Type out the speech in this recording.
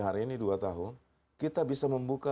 hari ini dua tahun kita bisa membuka